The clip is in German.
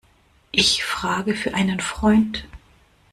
Ich frage für einen Freund.